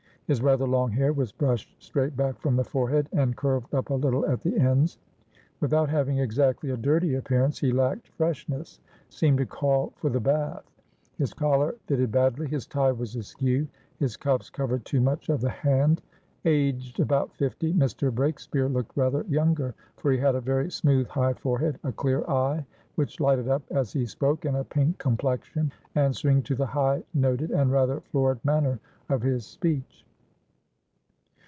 His rather long hair was brushed straight back from the forehead, and curved up a little at the ends. Without having exactly a dirty appearance, he lacked freshness, seemed to call for the bath; his collar fitted badly, his tie was askew, his cuffs covered too much of the hand. Aged about fifty, Mr. Breakspeare looked rather younger, for he had a very smooth high forehead, a clear eye, which lighted up as he spoke, and a pink complexion answering to the high noted and rather florid manner of his speech.